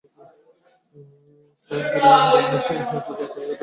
স্নান করিল গঙ্গায়, পূজা দিল কালীঘাটে, ট্রামে চাপিয়া অকারণে ঘোরাফেরা করিল।